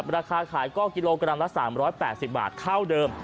ราคาขายก็กิโลกรัมละ๓๘๐บาทเท่าเดิม